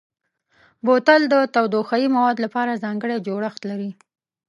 بوتل د تودوخهيي موادو لپاره ځانګړی جوړښت لري.